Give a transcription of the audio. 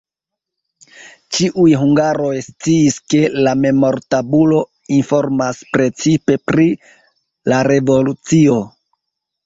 Ĉiuj hungaroj sciis, ke la memortabulo informas precipe pri la revolucio.